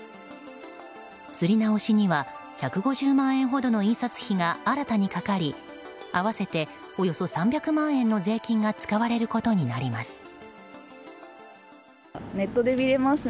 刷り直しには１５０万円ほどの印刷費が新たにかかり、合わせておよそ３００万円の税金が使われることになります。